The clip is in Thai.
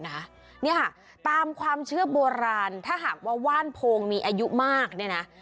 เนี่ยค่ะตามความเชื่อโบราณถ้าหากว่าว่านโพงมีอายุมากเนี่ยนะ